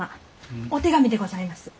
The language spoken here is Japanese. お手紙でございます。